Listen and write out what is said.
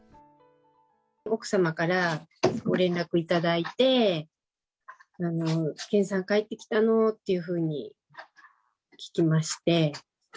奥様からご連絡いただいて、健さん帰ってきたのーっていうふうに聞きまして。